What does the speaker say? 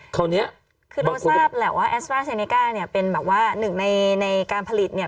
คราวนี้คือเราทราบแหละว่าแอสตราเซเนก้าเนี่ยเป็นแบบว่าหนึ่งในในการผลิตเนี่ย